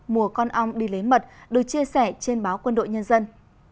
mùa con ong đi lấy mật được chia sẻ trên báo quân đội nhân dân